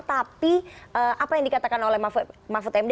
tapi apa yang dikatakan oleh mahfud md